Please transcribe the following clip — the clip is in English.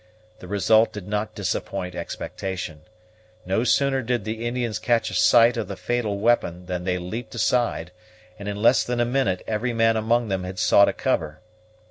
The result did not disappoint expectation. No sooner did the Indians catch a sight of the fatal weapon than they leaped aside, and in less than a minute every man among them had sought a cover.